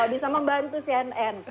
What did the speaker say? kalau bisa membantu cnn